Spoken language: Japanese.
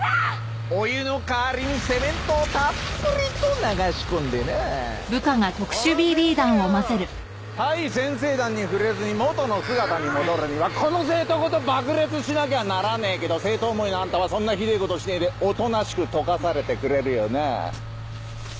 お湯の代わりにセメントをたっぷりと流し込んでなぁ殺せんせーよお対先生弾に触れずに元の姿に戻るにはこの生徒ごと爆裂しなきゃならねえけど生徒思いのあんたはそんなひでえことしねえでおとなしく溶かされてくれるよなあ？